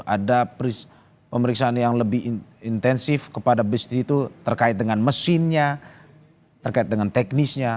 ada pemeriksaan yang lebih intensif kepada bus di situ terkait dengan mesinnya terkait dengan teknisnya